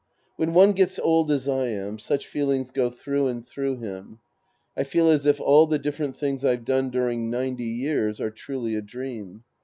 When one gets old as I am, such feelings go through and through him. I feel as if all the different things I've done during ninety years are truly a dream.